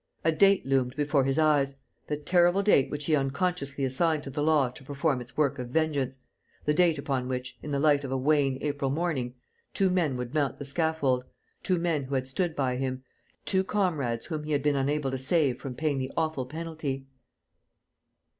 A date loomed before his eyes, the terrible date which he unconsciously assigned to the law to perform its work of vengeance, the date upon which, in the light of a wan April morning, two men would mount the scaffold, two men who had stood by him, two comrades whom he had been unable to save from paying the awful penalty....